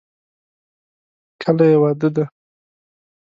کله یې واده دی؟